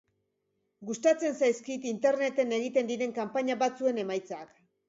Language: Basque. Gustatzen zaizkit Interneten egiten diren kanpaina batzuen emaitzak.